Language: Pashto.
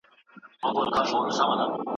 ګوند به واک په لاس کي واخلي.